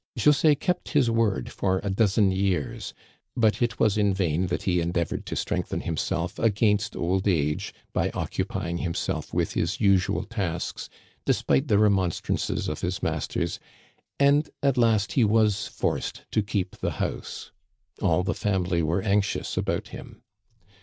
José kept his word for a dozen years ; but it was in vain that he endeavored to strengthen himself against old age by occupying himself with his usual tasks, de spite the remonstrances of his masters, and at last he was forced to keep the house. All the family were anx ious about him.